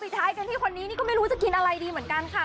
ท้ายกันที่คนนี้นี่ก็ไม่รู้จะกินอะไรดีเหมือนกันค่ะ